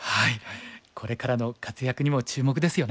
これからの活躍にも注目ですよね。